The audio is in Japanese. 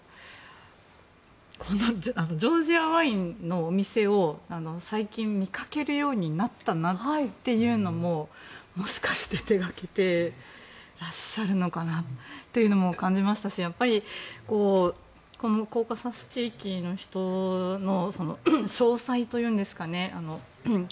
ジョージアワインのお店を最近、見かけるようになったなっていうのももしかして手掛けてらっしゃるなとも感じましたし、やっぱりコーカサス地域の人たちの詳細というんですかね